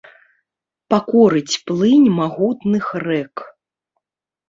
Пакорыць плынь магутных рэк.